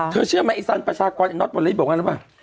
เธอเชื่อมั้ยไอ้สันประชากรไอ้น็อตวันนี้บอกงั้นหรือเปล่า